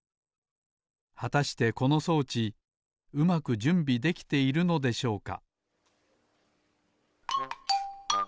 はたしてこの装置うまくじゅんびできているのでしょうか？